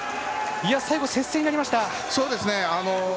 最後、接戦になりました。